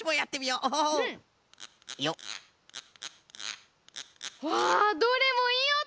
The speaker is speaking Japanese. うわどれもいいおと！